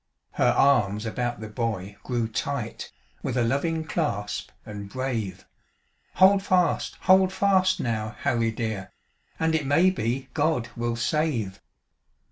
Her arms about the boy grew tight, With a loving clasp, and brave; "Hold fast! Hold fast, now, Harry dear, And it may be God will save."